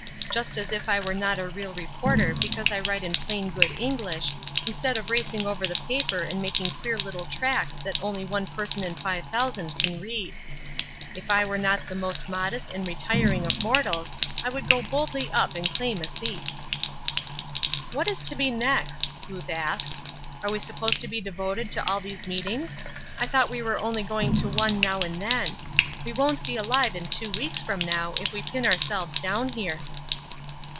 "Just as if I were not a real reporter because I write in plain good English, instead of racing over the paper and making queer little tracks that only one person in five thousand can read. If I were not the most modest and retiring of mortals I would go boldly up and claim a seat." "What is to be next?" Ruth asked. "Are we supposed to be devoted to all these meetings? I thought we were only going to one now and then. We won't be alive in two weeks from now if we pin ourselves down here."